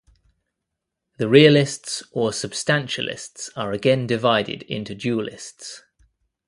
The realists or substantialists are again divided into dualists.